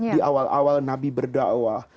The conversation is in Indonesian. di awal awal nabi berdakwah